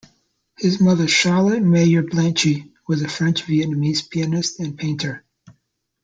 His mother, Charlotte Mayer-Blanchy, was a French-Vietnamese pianist and painter.